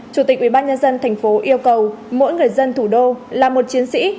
chủ tịch ubnd tp yêu cầu mỗi người dân thủ đô là một chiến sĩ